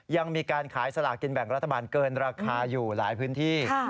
ยังมีการขายสลากินแบ่งรัฐบาลเกินราคาอยู่หลายพื้นที่